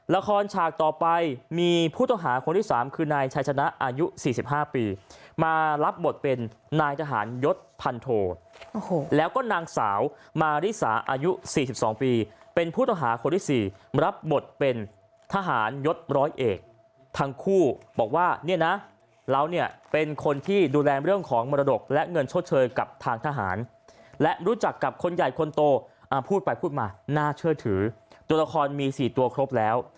ละครฉากต่อไปมีผู้ต่อหาคนที่สามคือนายชายชนะอายุสี่สิบห้าปีมารับบทเป็นนายทหารยศพันโทแล้วก็นางสาวมาริสาอายุสี่สิบสองปีเป็นผู้ต่อหาคนที่สี่มารับบทเป็นทหารยศร้อยเอกทั้งคู่บอกว่าเนี่ยนะเราเนี่ยเป็นคนที่ดูแลเรื่องของมรดกและเงินชดเชยกับทางทหารและรู้จักกับคนใหญ่คนโตอ่ะพูดไปพูดมาน่าเชื่อถือ